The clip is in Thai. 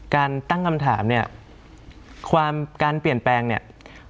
การตั้งคำถามเนี่ยความการเปลี่ยนแปลงเนี่ย